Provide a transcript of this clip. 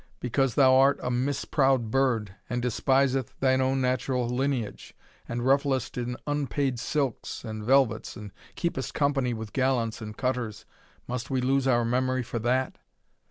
because thou art a misproud bird, and despiseth thine own natural lineage, and rufflest in unpaid silks and velvets, and keepest company with gallants and cutters, must we lose our memory for that?